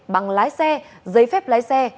bằng lái xe giấy phép lái xe